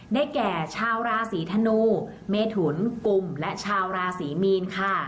ได้แก่ชาวราศีธนูเมถุนกลุ่มและชาวราศรีมีนค่ะ